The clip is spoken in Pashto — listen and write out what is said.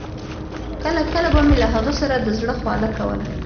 کله کله به مې له هغه سره د زړه خواله کوله.